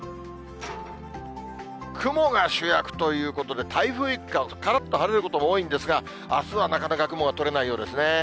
雲が主役ということで、台風一過、からっと晴れることも多いんですが、あすはなかなか雲が取れないようですね。